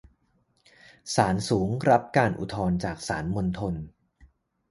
ศาลสูงรับการอุทธรณ์จากศาลมณฑล